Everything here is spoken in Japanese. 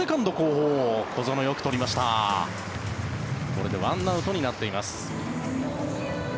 これで１アウトになっています。